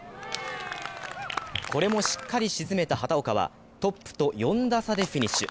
これもしっかり沈めた畑岡は、トップと４打差でフィニッシュ。